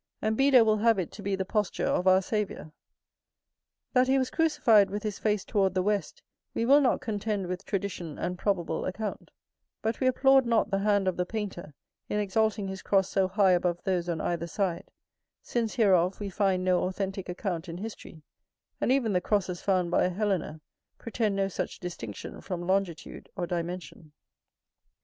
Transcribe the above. And Beda will have it to be the posture of our Saviour. That he was crucified with his face toward the west, we will not contend with tradition and probable account; but we applaud not the hand of the painter, in exalting his cross so high above those on either side: since hereof we find no authentic account in history, and even the crosses found by Helena, pretend no such distinction from longitude or dimension.